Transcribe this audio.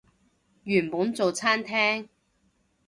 原本做餐廳